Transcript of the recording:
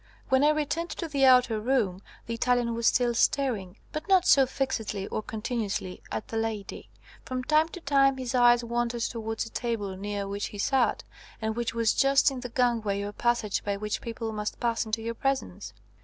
When I returned to the outer room, the Italian was still staring, but not so fixedly or continuously, at the lady. From time to time his eyes wandered towards a table near which he sat, and which was just in the gangway or passage by which people must pass into your presence.